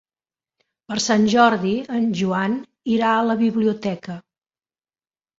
Per Sant Jordi en Joan irà a la biblioteca.